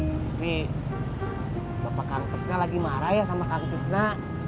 tapi bapak kangtisnak lagi marah ya sama kangtisnak